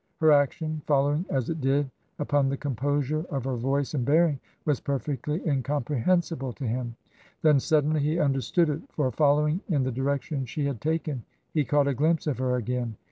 Her action, following as TRANSITION. 189 it did upon the composure of her voice and bearing, was perfectly incomprehensible to him. Then suddenly he understood it, for following in the direction she had taken, he caught a glimpse of her again.